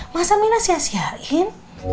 masa minah sia siain